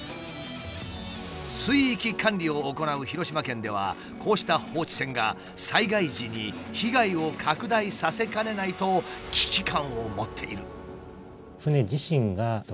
水域管理を行う広島県ではこうした放置船が災害時に被害を拡大させかねないと危機感を持っている。